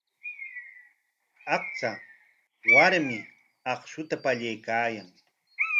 Achka warmi akshuta pallaykaayan.